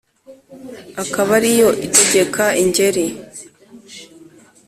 Akaba ari yo itegeka Ingeri,